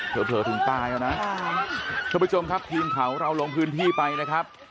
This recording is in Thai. เผลอถึงตายไปนะโดยมอยุธชมครับทีมเขารับลงพื้นที่ไปนะครับ